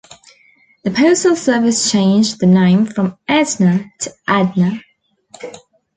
The Postal Service changed the name from "Edna" to "Adna".